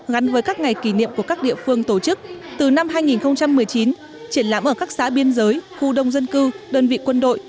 gắn với các ngày kỷ niệm của các địa phương tổ chức từ năm hai nghìn một mươi chín triển lãm ở các xã biên giới khu đông dân cư đơn vị quân đội